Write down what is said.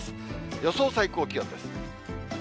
予想最高気温です。